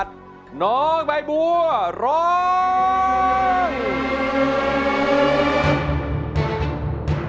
ร้องได้ร้องได้